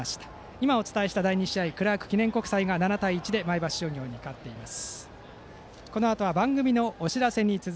今お伝えした第２試合クラーク記念国際高校が７対１で前橋商業に勝っています。